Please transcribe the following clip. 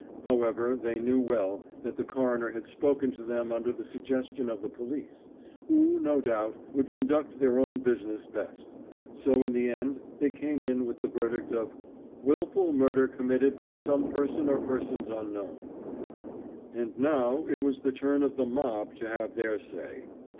However, they knew well that the coroner had spoken to them under the suggestion of the police, who, no doubt, would conduct their own business best; so in the end they came in with the verdict of "willful murder committed by some person or persons unknown." And now it was the turn of the mob to have their say.